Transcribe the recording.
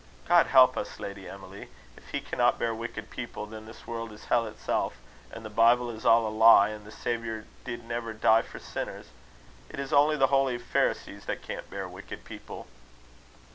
God help us, Lady Emily! If he cannot bear wicked people, then this world is hell itself, and the Bible is all a lie, and the Saviour did never die for sinners. It is only the holy Pharisees that can't bear wicked people."